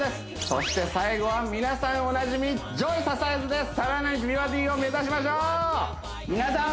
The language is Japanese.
そして最後は皆さんおなじみジョイササイズでさらなる美バディを目指しましょう皆さん